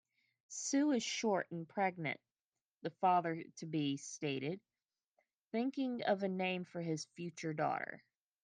"Sue is short and pregnant", the father-to-be stated, thinking of a name for his future daughter.